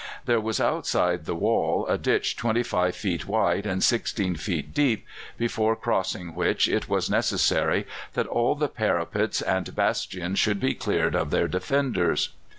There was outside the wall a ditch 25 feet wide and 16 feet deep, before crossing which it was necessary that all the parapets and bastions should be cleared of their defenders.